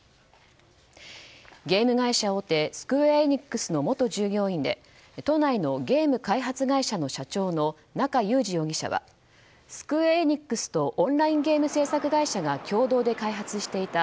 ゲーム会社大手スクウェア・エニックスの元従業員で都内のゲーム開発会社の社長の中裕司容疑者はスクウェア・エニックスとオンラインゲーム制作会社が共同で開発していた